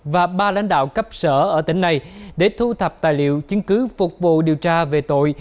và ba lãnh đạo cấp sở ở tỉnh này để thu thập tài liệu chứng cứ phục vụ điều tra về tội